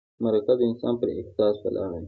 مرکه د انسان پر احساس ولاړه وي.